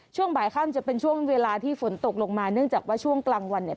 ช่วงบ่ายค่ำจะเป็นช่วงเวลาที่ฝนตกลงมาเนื่องจากว่าช่วงกลางวันเนี่ย